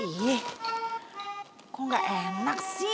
ini kok gak enak sih